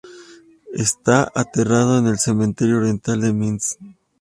Está enterrado en el cementerio oriental de Minsk.